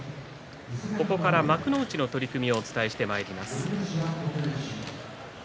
ここから幕内の取組をお伝えしてまいります。